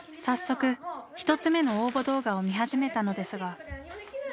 早速１つ目の応募動画を見始めたのですが。